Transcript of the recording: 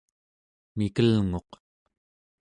mikelnguq